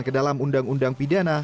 ke dalam undang undang pidana